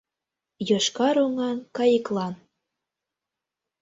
Йошкар оҥан кайыклан.